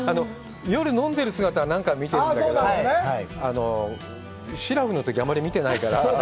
夜、飲んでる姿は何回か見てるんだけど、しらふのとき、あんまり見てないから。